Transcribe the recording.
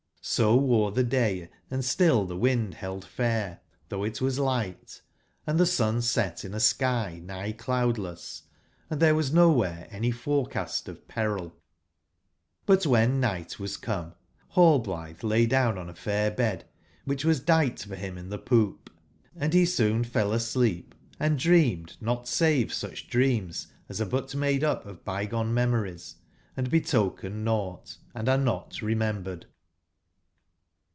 So wore the day and still the wind held fair, though it was light; and the sun set in a sky nigh cloudless, and there was nowhere any forecast of peril But when night was come, Hallblithe lay down on a fair bed, which was dight for him in the poop, and he soon fell asleep and dreamed not save such dreams as are but made up of bygone memories, and betoken nought, & arc not remembered.